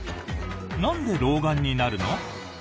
なんで老眼になるの？